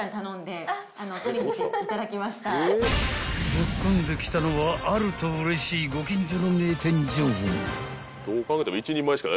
［ぶっ込んできたのはあるとうれしいご近所の名店情報］